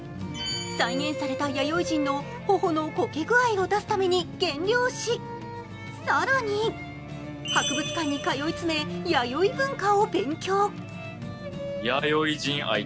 再現された弥生人の頬のこけ具合を出すために減量し、更に博物館に通い詰め、弥生文化を勉強。